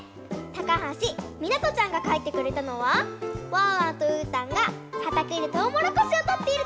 たかはしみなとちゃんがかいてくれたのはワンワンとうーたんがはたけでとうもろこしをとっているところです。